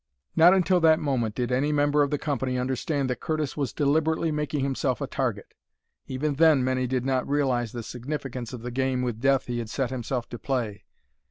Not until that moment did any member of the company understand that Curtis was deliberately making himself a target; even then many did not realize the significance of the game with death he had set himself to play.